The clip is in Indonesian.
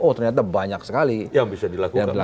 oh ternyata banyak sekali yang bisa dilakukan